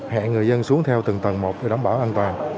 hẹn người dân xuống theo từng tầng một để đảm bảo an toàn